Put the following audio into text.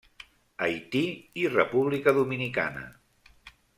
Haití i República Dominicana.